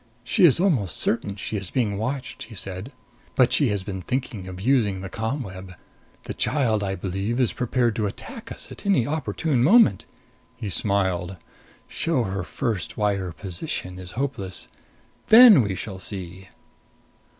"She is almost certain she is being watched," he said, "but she has been thinking of using the ComWeb. The child, I believe, is prepared to attack us at any opportune moment." He smiled. "Show her first why her position is hopeless. Then we shall see."